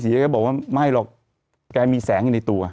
แกบอกว่าไม่หรอกแกมีแสงอยู่ในตัว